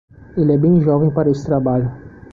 Ele é bem jovem para esse trabalho.